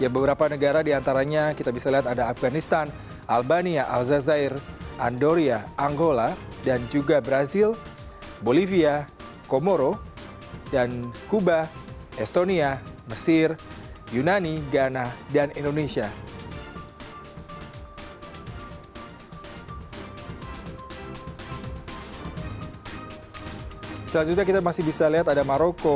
berikutnya kita bisa lihat ada maroko